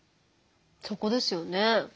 そこですよね。